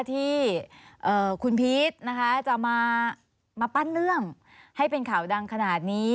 ที่คุณพีชนะคะจะมาปั้นเรื่องให้เป็นข่าวดังขนาดนี้